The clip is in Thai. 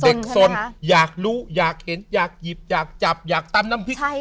เด็กสนอยากรู้อยากเห็นอยากหยิบอยากจับอยากปั้มน้ำพริก